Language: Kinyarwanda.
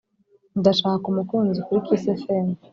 Ndashaka umukunzi kuri kiss fm